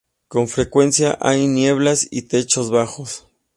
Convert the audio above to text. Con frecuencia hay nieblas y techos bajos.